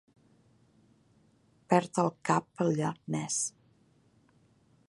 Perd el cap pel llac Ness.